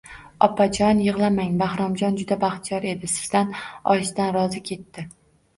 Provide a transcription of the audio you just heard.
Opajon, yig`lamang, Bahromjon juda baxtiyor edi, sizdan oyisidan rozi ketdi